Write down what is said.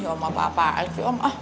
ih om apa apaan sih om ah